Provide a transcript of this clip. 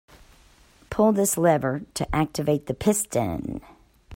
Pull this lever to activate the piston.